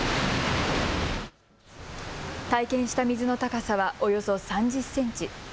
体験した水の高さはおよそ３０センチ。